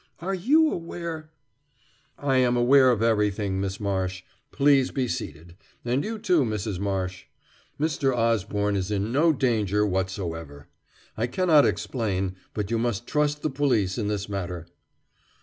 Are you aware " "I am aware of everything, Miss Marsh. Please be seated; and you, too, Mrs. Marsh. Mr. Osborne is in no danger whatsoever. I cannot explain, but you must trust the police in this matter."